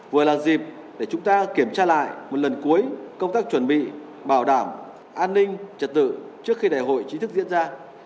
vừa là dịp để chúng ta kiểm tra lại một lần cuối công tác chuẩn bị bảo đảm an ninh trật tự trước khi đại hội chính thức diễn ra